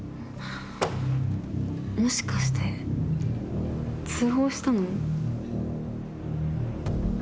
もしかして通報したのお姉さん？